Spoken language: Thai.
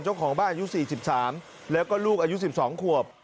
เจ้าของบ้านอายุสี่สิบสามแล้วก็ลูกอายุสิบสองขวบ